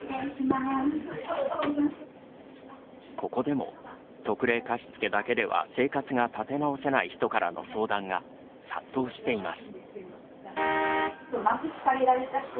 ここでも、特例貸付だけでは生活が立て直せない人からの相談が、殺到しています。